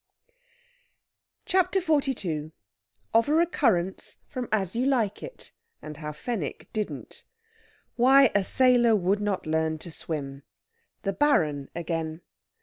CHAPTER XLII OF A RECURRENCE FROM AS YOU LIKE IT AND HOW FENWICK DIDN'T. WHY A SAILOR WOULD NOT LEARN TO SWIM. THE BARON AGAIN.